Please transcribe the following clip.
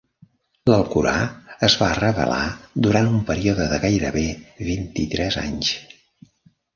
L'Alcorà es va revelar durant un període de gairebé vint-i-tres anys.